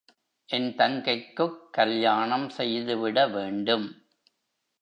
என் தங்கைக்குக், கல்யாணம் செய்துவிட வேண்டும்.